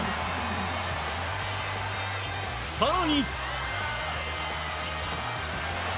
更に。